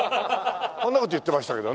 こんな事言ってましたけどね。